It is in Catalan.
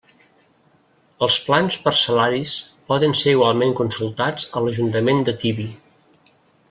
Els plans parcel·laris poden ser igualment consultats a l'Ajuntament de Tibi.